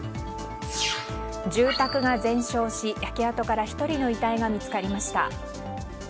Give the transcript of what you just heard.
住宅が全焼し焼け跡から１人の遺体が見つかりました。